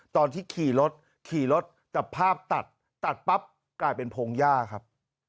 ตอนที่ขี่รถขี่รถแต่ภาพตัดตัดปั๊บกลายเป็นพงหญ้าครับ